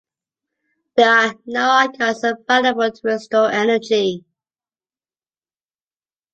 There are no icons available to restore energy.